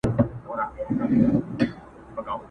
ښار به ډک وي له زلمیو له شملو او له بګړیو؛